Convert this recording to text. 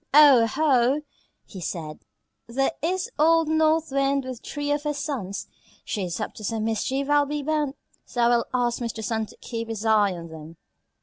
"Oh, ho!" he said, "there is old North Wind with three of her sons. She is up to some mischief, I'll be bound; so I will ask Mr. Sun to keep his eye on them."